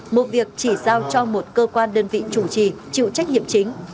một việc chỉ giao cho một cơ quan đơn vị chủ trì chịu trách nhiệm chính